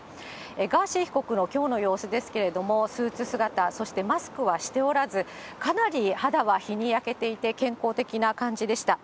ガーシー被告のきょうの様子ですけれども、スーツ姿、そしてマスクはしておらず、かなり肌は日に焼けていて、健康的な感じでした。